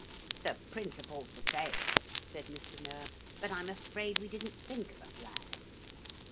'The principle's the same,' said Mr. Noah; 'but I'm afraid we didn't think of a flag.'